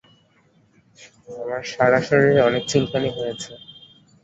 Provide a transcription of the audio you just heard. আমার সারা শরীরে অনেক চুলকানি হয়েছে।